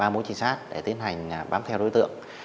ba mối trinh sát để tiến hành bám theo đối tượng